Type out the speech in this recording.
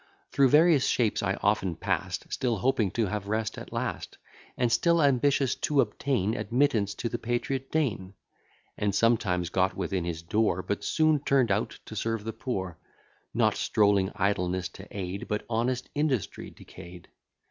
Through various shapes I often pass'd, Still hoping to have rest at last; And still ambitious to obtain Admittance to the patriot Dean; And sometimes got within his door, But soon turn'd out to serve the poor: Not strolling Idleness to aid, But honest Industry decay'd.